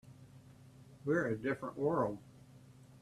We're a different world.